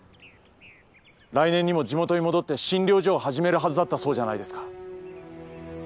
来年にも地元に戻って診療所を始めるはずだったそうじゃないですか。